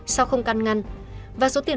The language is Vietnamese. sau không căn ngăn và số tiền